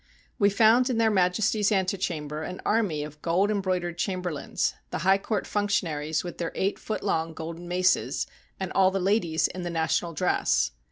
We found in Their Majesties' antechamber an army of gold embroidered chamberlains, the high court function aries with their eight foot long golden tnaces, and all the ladies in the national dress.